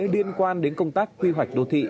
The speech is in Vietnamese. điên quan đến công tác quy hoạch đô thị